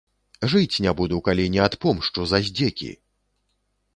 Жыць не буду, калі не адпомшчу за здзекі!